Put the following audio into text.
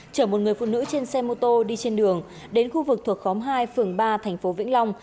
chở một người phụ nữ trên xe mô tô đi trên đường đến khu vực thuộc khóm hai phường ba thành phố vĩnh long